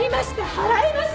払いますよ！